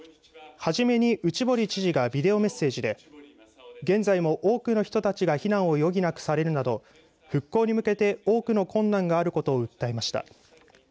はじめに内堀知事がビデオメッセージで現在も多くの人たちが避難を余儀なくされるなど復興に向けて多くの困難があることを訴えました。